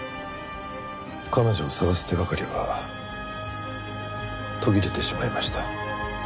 彼女を捜す手がかりは途切れてしまいました。